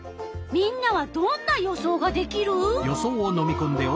みんなはどんな予想ができる？